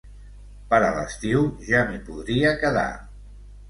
Per a l'estiu, ja m'hi podria quedar.